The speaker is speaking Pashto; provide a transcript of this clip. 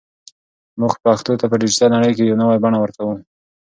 موږ پښتو ته په ډیجیټل نړۍ کې یو نوی بڼه ورکوو.